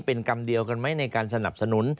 เป็นกรรมเดียวกันไหมในการสนับสนุน